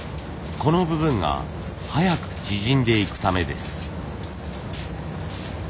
この部分が早く縮んでいくためです。